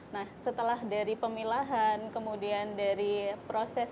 nah setelah dari pemilahan kemudian dari proses